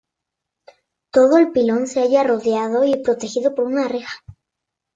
Todo el pilón se halla rodeado y protegido por una reja.